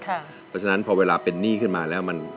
เพราะฉะนั้นพอเวลาเป็นหนี้ขึ้นมาแล้ว